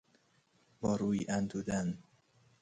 با روی اندودن